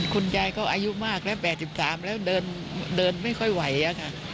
คุณยายเขาอายุมากแล้ว๘๓แล้วเดินไม่ค่อยไหวอะค่ะ